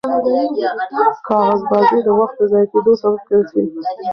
کاغذبازي د وخت د ضایع کېدو سبب ګرځي.